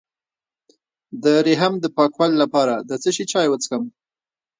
د رحم د پاکوالي لپاره د څه شي چای وڅښم؟